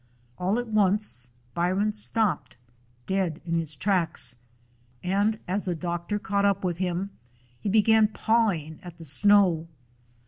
All at once Byron stopped dead in his tracks, and as the doctor caught up with him he be gan pawing at the snow.